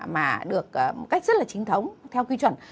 mà được một cách rất là chính thống theo quy chuẩn